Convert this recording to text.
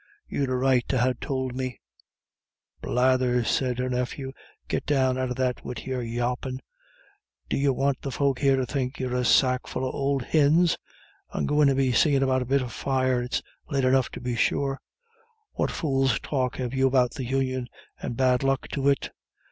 You'd a right to ha' tould me " "Blathers!" said her nephew, "git down out of that wid your yawpin'. D'you want the folk here to think you're a sackful of ould hins? And go in and be seein' after a bit of fire; it's late enough to be sure. What fool's talk have you about the Union, and bad luck to it?